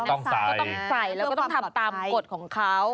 ก็ต้องใส่แล้วก็ต้องทำตามกฎของเขา